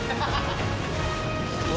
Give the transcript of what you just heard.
うわ